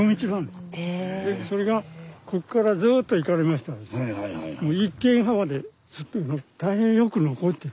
でそれがこっからずっと行かれましたらですね一間幅でへ。